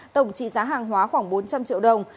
tổng trị giá hàng hóa khoảng bốn trăm linh triệu đồng